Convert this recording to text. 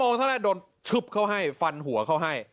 น้องเท้าแรกโดนชุบเข้าให้ฟันหัวเข้าให้